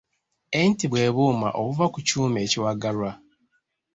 Enti bwe buuma obuva ku kyuma ekiwagalwa.